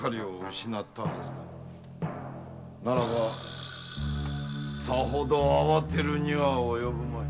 ならばさほど慌てるには及ぶまい。